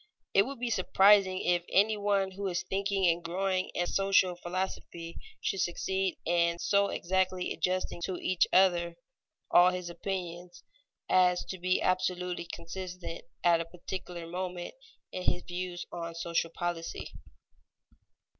It would be surprising if any one who is thinking and growing in social philosophy should succeed in so exactly adjusting to each other all his opinions, as to be absolutely consistent at a particular moment in his views on social policy.